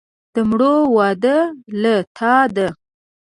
د مړو وده له تا ده.